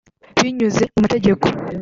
binyuze mu mategeko